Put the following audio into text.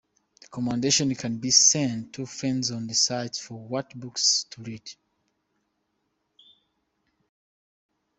Recommendations can be sent to friends on the site for what books to read.